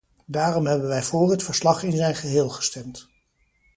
Daarom hebben wij voor het verslag in zijn geheel gestemd.